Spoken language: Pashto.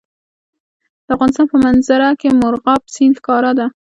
د افغانستان په منظره کې مورغاب سیند ښکاره ده.